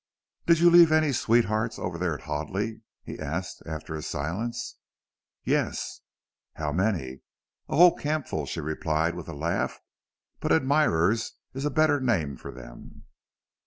"Did you leave any sweethearts over there at Hoadley?" he asked, after a silence. "Yes." "How many?" "A whole campful," she replied, with a laugh, "but admirers is a better name for them."